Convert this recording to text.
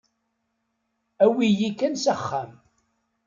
Awi-yi kan s axxam.